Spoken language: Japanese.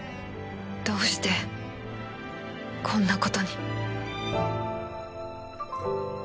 どうしてこんな事に